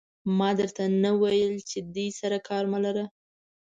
ما در ته نه ویل چې دې سره کار مه لره.